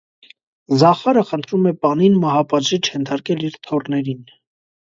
Զախարը խնդրում է պանին մահապատժի չենթարկել իր թոռներին։